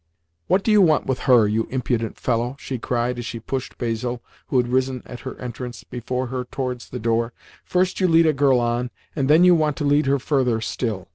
"What do you want with her, you impudent fellow?" she cried as she pushed Basil (who had risen at her entrance) before her towards the door. "First you lead a girl on, and then you want to lead her further still.